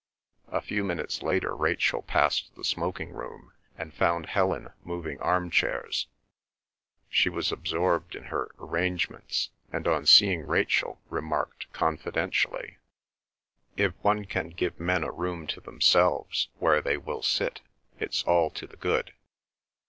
A few minutes later Rachel passed the smoking room, and found Helen moving arm chairs. She was absorbed in her arrangements, and on seeing Rachel remarked confidentially: "If one can give men a room to themselves where they will sit, it's all to the good.